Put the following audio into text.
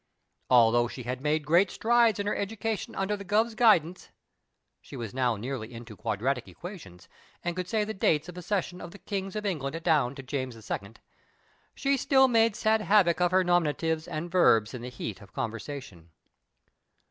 Though she had made great strides in her education ruider the Guv.'s guidance (she was now nearly into quadratic equations, and could say the dates of accession of the kings of England down to James II.), she still made sad havoc of her nominatives and verbs in the heat of conversation.